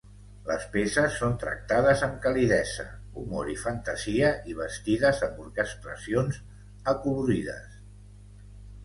Les peces són tractades amb calidesa, humor i fantasia, i vestides amb orquestracions acolorides.